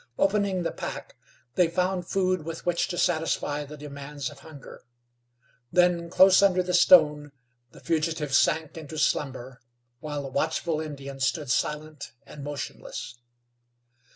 Opening the pack they found food with which to satisfy the demands of hunger. Then, close under the stone, the fugitives sank into slumber while the watchful Indian stood silent and motionless.